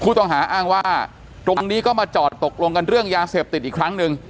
อ้างว่าตรงนี้ก็มาจอดตกลงกันเรื่องยาเสพติดอีกครั้งหนึ่ง